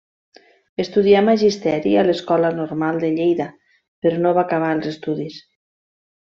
Estudià magisteri a l'Escola Normal de Lleida, però no va acabar els estudis.